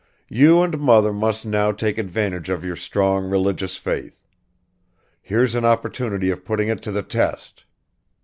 You and mother must now take advantage of your strong religious faith; here's an opportunity of putting it to the test."